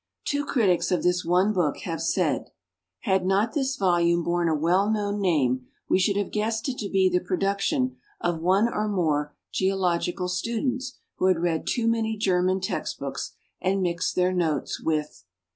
Two critics of this one book have said :" Had not this volume borne a well known name we should have guessed it to be the production of one or more geological students who bad read too many German text books, and mixed their notes with